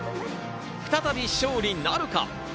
再び勝利なるか？